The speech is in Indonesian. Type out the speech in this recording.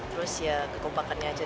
terus ya kekompakannya aja